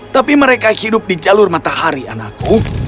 tapi mereka hidup di jalur matahari anakku